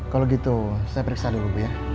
kalo gitu saya periksa dulu ya